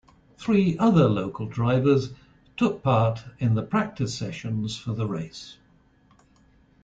Three other local drivers took part in the practice sessions for the race.